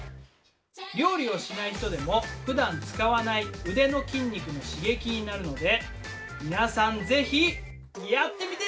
料理をしない人でもふだん使わない腕の筋肉の刺激になるので皆さんぜひやってみてね！